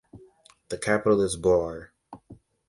The capital is Bouar.